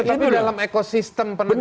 itu dalam ekosistem penegak itu